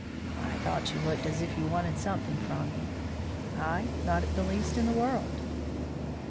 "I thought you looked as if you wanted something from me." "I? Not the least in the world."